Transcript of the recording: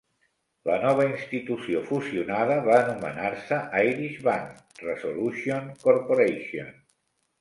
La nova institució fusionada va anomenar-se Irish Bank Resolution Corporation.